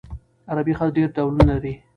عربي خط ډېر ډولونه لري.